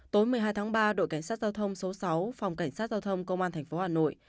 tối một mươi hai tháng ba đội cảnh sát giao thông số sáu phòng cảnh sát giao thông công an tp hà nội